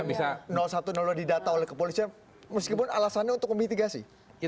kalau misalnya satu dua didata oleh kepolisian meskipun alasannya untuk memitigasi